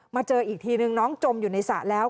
เจออีกทีนึงน้องจมอยู่ในสระแล้ว